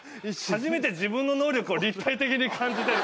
初めて自分の能力を立体的に感じてる。